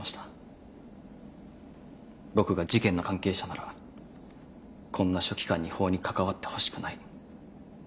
僕が事件の関係者ならこんな書記官に法に関わってほしくない。